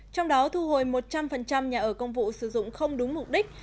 trong đó thu hồi một trăm linh nhà ở công vụ sử dụng không đúng mục đích